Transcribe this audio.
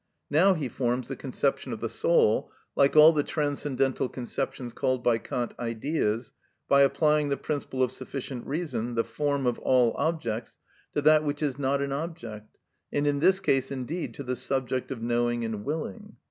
Now he forms the conception of the soul, like all the transcendental conceptions called by Kant Ideas, by applying the principle of sufficient reason, the form of all objects, to that which is not an object, and in this case indeed to the subject of knowing and willing.